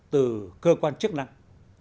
từ cơ quan chức năng